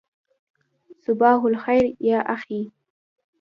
صباح الخیر یا اخی.